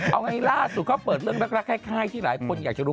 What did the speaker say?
เอาไงล่าสุดเขาเปิดเรื่องรักคล้ายที่หลายคนอยากจะรู้